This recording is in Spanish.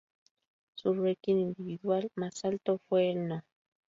Su ranking individual más alto fue el No.